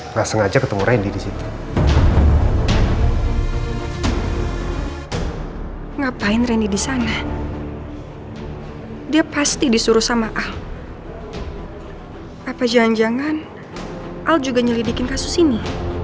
ngapain reni di sana dia pasti disuruh sama al al juga nyelidikin kasus ini